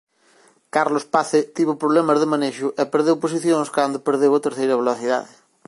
Carlos Pace tivo problemas de manexo e perdeu posicións cando perdeu a terceira velocidade.